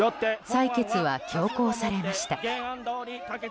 採決は強行されました。